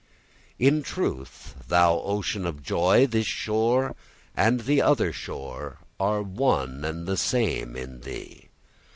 In truth, thou ocean of joy, this shore and the other shore are one and the same in thee.